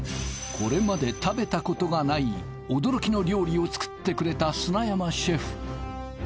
これまで食べたことがない驚きの料理を作ってくれた砂山シェフ